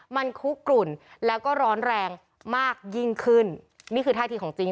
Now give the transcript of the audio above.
มันคุกกลุ่นแล้วก็ร้อนแรงมากยิ่งขึ้นนี่คือท่าทีของจริง